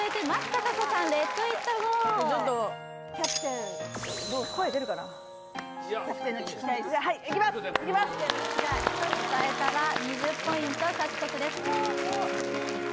歌えたら２０ポイント獲得です